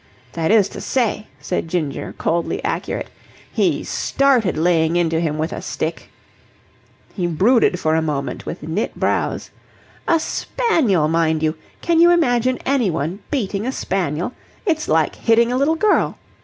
That is to say," said Ginger, coldly accurate, "he started laying into him with a stick." He brooded for a moment with knit brows. "A spaniel, mind you! Can you imagine anyone beating a spaniel? It's like hitting a little girl.